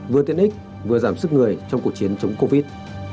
vừa tiện ích vừa giảm sức người trong cuộc chiến chống covid